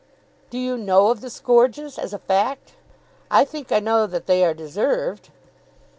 "Do you know of the scourges, as a fact?" "I think I know that they are deserved."